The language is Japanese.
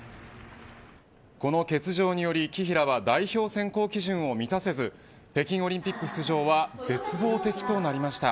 この欠場により紀平は代表選考基準を満たせず北京オリンピック出場は絶望的となりました。